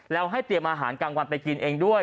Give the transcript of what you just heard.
แล้วให้เตรียมอาหารกลางวันไปกินเองด้วย